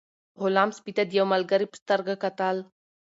غلام سپي ته د یو ملګري په سترګه کتل.